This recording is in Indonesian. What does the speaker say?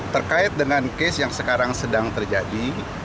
terkait dengan case yang sekarang sedang terjadi